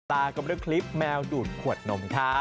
ตากับนี้คลิปแมวดูดขวดนมครับ